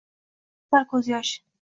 Chanqogʼimni bosar koʼz yosh.